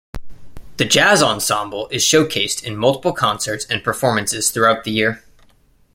The jazz ensemble is showcased in multiple concerts and performances throughout the year.